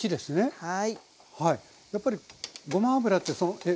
はい。